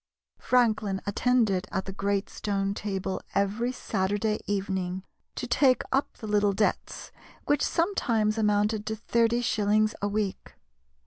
Franklin attended at the great stone table every Saturday evening to take up the little debts, which sometimes amounted to thirty shillings a week.